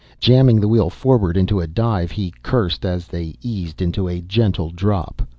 Jamming the wheel forward into a dive he cursed as they eased into a gentle drop.